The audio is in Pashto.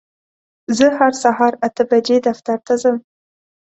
زه هر سهار اته بجې دفتر ته ځم.